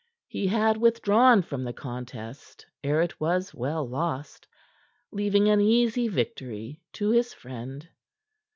He had withdrawn from the contest ere it was well lost, leaving an easy victory to his friend.